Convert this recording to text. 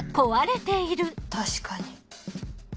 確かに。